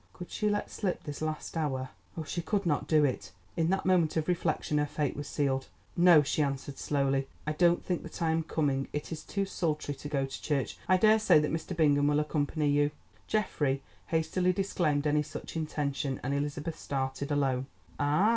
Could she let slip this last hour? Oh, she could not do it! In that moment of reflection her fate was sealed. "No," she answered slowly, "I don't think that I am coming; it is too sultry to go to church. I daresay that Mr. Bingham will accompany you." Geoffrey hastily disclaimed any such intention, and Elizabeth started alone. "Ah!"